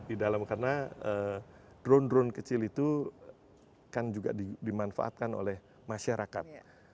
di dalam karena drone drone kecil itu kan juga dimanfaatkan oleh masyarakat